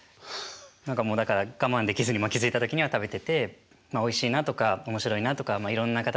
何かもうだから我慢できずに気付いた時には食べてておいしいなとか面白いなとかいろんな形で魅力に魅了されてって。